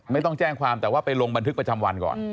ไม่ต้องแจ้งความแต่ว่าไปลงบันทึกประจำวันก่อน